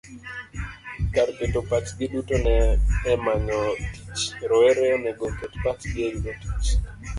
Kar keto pachgi duto e manyo tich, rowere onego oket pachgi e yudo tich.